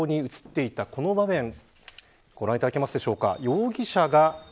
そんな中で拡散された映像に映っていたこの場面ご覧いただけますでしょうか。